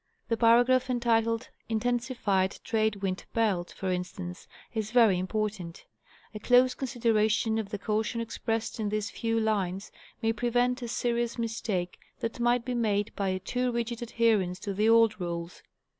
The paragraph entitled " Intensified trade wind belt," for instance, is very important. A close consideration of the caution expressed in these few lines may prevent a serious mistake that might be made by a too rigid adherence to the old rules.